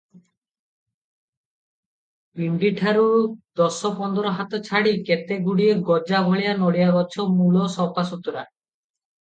ପିଣ୍ତିଠାରୁ ଦଶ ପନ୍ଦର ହାତ ଛାଡ଼ି କେତେଗୁଡ଼ିଏ ଗଜାଭଳିଆ ନଡ଼ିଆ ଗଛ, ମୂଳ ସଫାସୁତୁରା ।